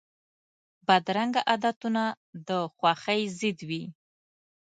بدرنګه عادتونه د خوښۍ ضد وي